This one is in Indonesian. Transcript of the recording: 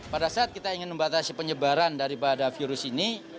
pada saat kita ingin membatasi penyebaran daripada virus ini